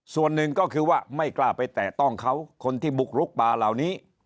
ส่วนหนึ่งก็คือว่าไม่กล้าไปแตะต้องเขาคนที่บุกลุกป่าเหล่านี้